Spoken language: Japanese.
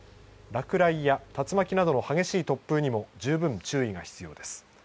落雷や竜巻などの激しい突風などにも十分注意が必要です。